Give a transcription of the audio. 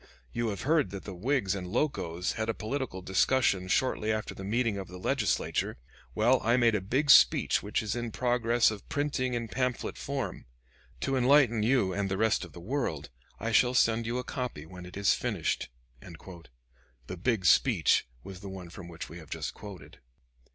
You have heard that the Whigs and Locos had a political discussion shortly after the meeting of the Legislature. Well, I made a big speech which is in progress of printing in pamphlet form. To enlighten you and the rest of the world, I shall send you a copy when it is finished." The "big speech" was the one from which we have just quoted.